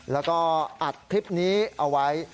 แล้วก็อัดคลิปนี้เอาไว้